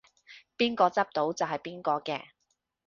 邊個執到就係邊個嘅